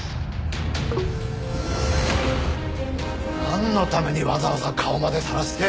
なんのためにわざわざ顔までさらして！